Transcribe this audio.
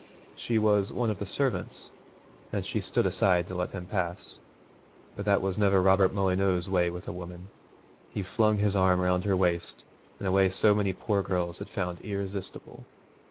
She was one of the servants, and she stood aside to let him pass, but that was never Robert Molyneux's way with a woman. He flung his arm round her waist in a way so many poor girls had found irresistible.